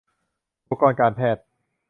อุปกรณ์การแพทย์